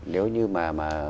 nếu như mà